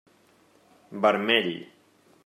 Vermell.